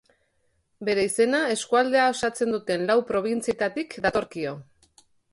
Bere izena eskualde osatzen duten lau probintzietatik datorkio.